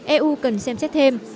eu cần xem xét thêm